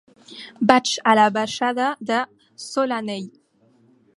Vaig a la baixada de Solanell.